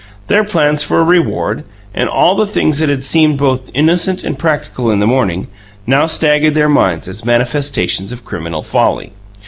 Their plans for a reward, and all the things that had seemed both innocent and practical in the morning, now staggered their minds as manifestations of criminal folly.